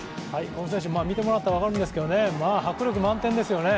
この選手、見てもらったら分かるんですけど、迫力満点ですよね。